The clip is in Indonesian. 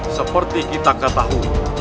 seperti kita ketahui